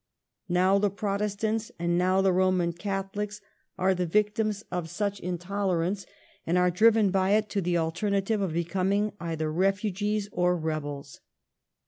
Now the Protestants, and now the Eoman Catholics, are the victims of such 160 THE RETGN OF QUEEN ANNE. oh. xxviii. intolerance, and are driven by it to the alternative of becoming either refugees or rebels.